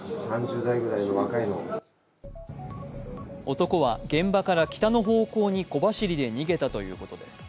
男は現場から北の方向に小走りで逃げたということです。